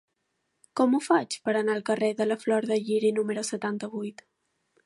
Com ho faig per anar al carrer de la Flor de Lliri número setanta-vuit?